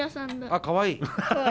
あっかわいい。